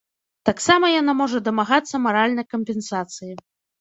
Таксама яна можа дамагацца маральнай кампенсацыі.